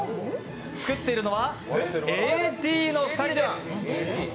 作っているのはＡＤの２人です。